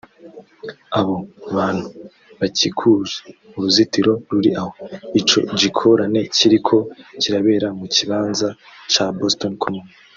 Abo bantu bakikuje uruzitiro ruri aho ico gikorane kiriko kirabera mu kibanza ca Boston Common